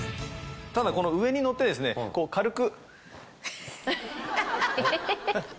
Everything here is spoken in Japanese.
ただこの上に乗って軽く。